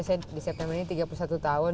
saya di september ini tiga puluh satu tahun